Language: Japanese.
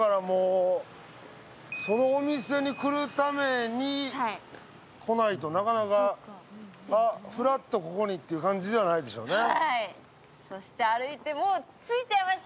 そのお店に来るために来ないとなかなかふらっとここにという感じではないでしょうね。